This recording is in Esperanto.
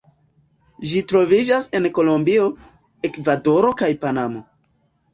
Ĝi troviĝas en Kolombio, Ekvadoro kaj Panamo.